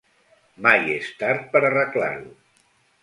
Mai és tard per arreglar-ho